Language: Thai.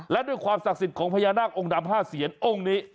และด้วยความศักดิ์สิทธิ์ของพญานาคองค์ดำ๕เสียนองค์นี้